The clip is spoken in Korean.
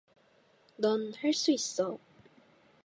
넌 할 수 있어.